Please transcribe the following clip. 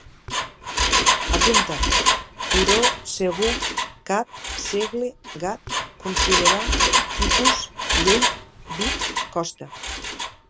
Apunta: turó, segur, cat, segle, gat, considerar, tipus, llei, bit, costa